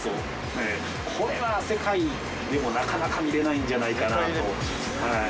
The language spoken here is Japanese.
これは世界でもなかなか見れないんじゃないかなと。